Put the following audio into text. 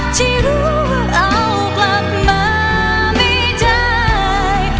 ที่รู้ว่าเอากลับมาไม่ได้